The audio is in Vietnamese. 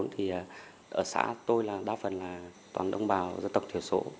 thì ở xã tôi là đa phần là toàn đồng bào dân tộc thiểu số